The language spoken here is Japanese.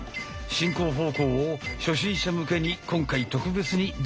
進行方向を初心者向けに今回特別に図にしたもの。